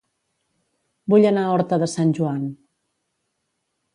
Vull anar a Horta de Sant Joan